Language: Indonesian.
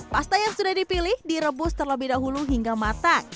pasta yang sudah dipilih direbus terlebih dahulu hingga matang